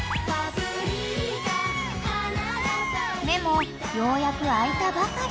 ［目もようやく開いたばかり］